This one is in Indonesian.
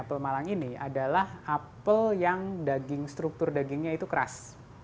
apple malang ini adalah apple yang struktur dagingnya keras